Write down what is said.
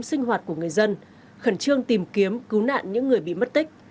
sinh hoạt của người dân khẩn trương tìm kiếm cứu nạn những người bị mất tích